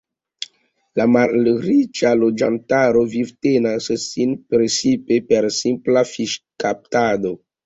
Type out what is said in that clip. La malriĉa loĝantaro vivtenas sin precipe per simpla fiŝkaptado.